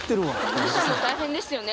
お兄さんも大変ですよね